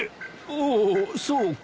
おおそうか。